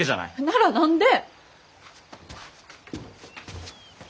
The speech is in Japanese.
なら何で？